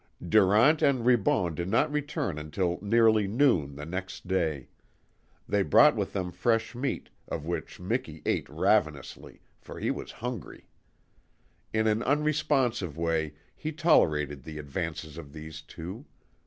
Durant and Ribon did not return until nearly noon the next day. They brought with them fresh meat, of which Miki ate ravenously, for he was hungry. In an unresponsive way he tolerated the advances of these two.